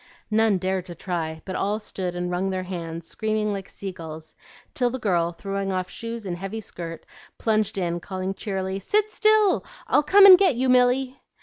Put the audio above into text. None dared to try, but all stood and wrung their hands, screaming like sea gulls, till the girl, throwing off shoes and heavy skirt plunged in, calling cheerily, "Sit still! I'll come and get you, Milly!"